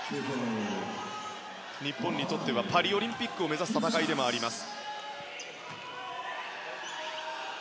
日本にとってはパリオリンピックを目指す戦いでもあります。